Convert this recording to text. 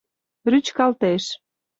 Рӱчкалтеш